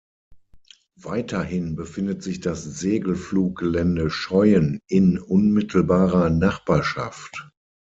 Weiterhin befindet sich das Segelfluggelände Scheuen in unmittelbarer Nachbarschaft.